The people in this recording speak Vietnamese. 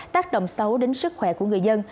tác động xấu đến sức khỏe của người dân